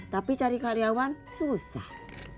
tapi cari karyawan susah